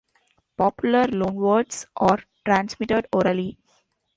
Popular loanwords are transmitted orally.